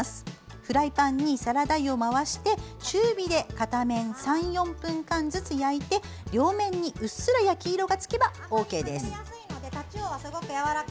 フライパンにサラダ油を回して中火で片面３４分間ずつ焼いて両面に、うっすら焼き色がつけばＯＫです。